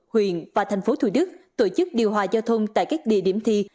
huyện và thành phố thủ đức tổ chức điều hòa giao thông tại các địa điểm thi